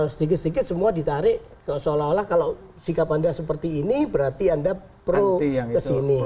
sedikit sedikit semua ditarik seolah olah kalau sikap anda seperti ini berarti anda pro kesini